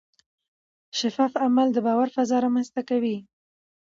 شفاف عمل د باور فضا رامنځته کوي.